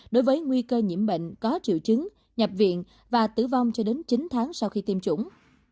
đối với nguy cơ nhiễm bệnh có triệu chứng nhập viện và tử vong cho đến chín tháng sau khi tiêm chủng